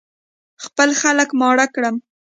خپل خلک ماړه کړم.